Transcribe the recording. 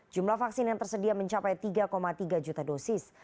jumlah vaksin yang tersedia mencapai tiga tiga juta dosis